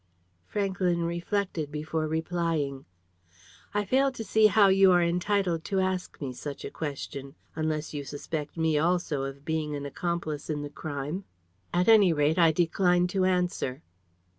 Franklyn reflected before replying. "I fail to see how you are entitled to ask me such a question; unless you suspect me also of being an accomplice in the crime. At any rate I decline to answer."